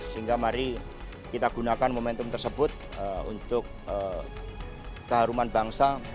sehingga mari kita gunakan momentum tersebut untuk keharuman bangsa